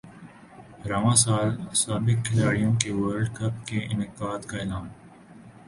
رواں سال سابق کھلاڑیوں کے ورلڈ کپ کے انعقاد کا اعلان